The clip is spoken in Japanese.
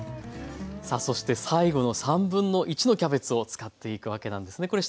さあそして最後の1/3のキャベツを使っていくわけなんですね。